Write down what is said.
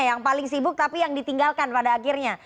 yang paling sibuk tapi yang ditinggalkan pada akhirnya